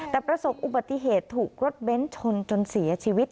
แต่ประสบอุบัติเหตุถูกรถเบ้นชนจนเสียชีวิต